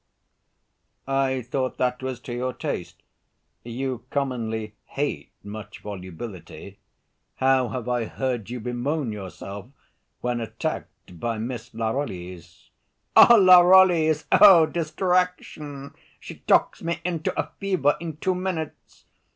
"I thought that was to your taste. You commonly hate much volubility. How have I heard you bemoan yourself when attacked by Miss Larolles!" "Larolles! Oh, distraction! she talks me into a fever in two minutes.